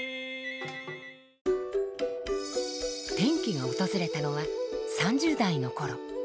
転機が訪れたのは３０代の頃。